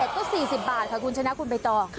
ก็๔๐บาทค่ะคุณชนะคุณใบตอง